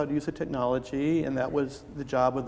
untuk menggunakan teknologi tersebut